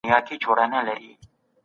موږ تل د خپل هیواد محصولات کاروو.